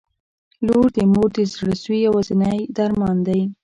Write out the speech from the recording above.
• لور د مور د زړسوي یوازینی درمان دی.